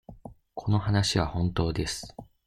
この話は本当です。